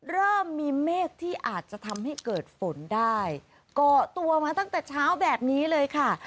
เริ่มมีเมฆที่อาจจะทำให้เกิดฝนได้ก่อตัวมาตั้งแต่เช้าแบบนี้เลยค่ะ